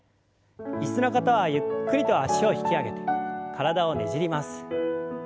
椅子の方はゆっくりと脚を引き上げて体をねじります。